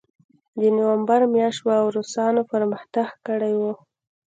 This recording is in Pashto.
د نومبر میاشت وه او روسانو پرمختګ کړی و